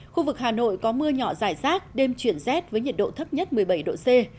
khu vực hà nội có mưa nhỏ dài rác đêm chuyển rét với nhiệt độ thấp nhất một mươi bảy độ c